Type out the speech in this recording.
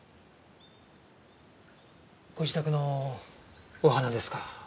ご自宅のお花ですか？